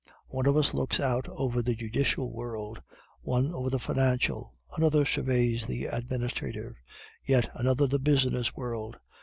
One of us looks out over the judicial world, one over the financial, another surveys the administrative, and yet another the business world.